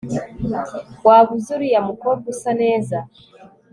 Waba uzi uriya mukobwa usa neza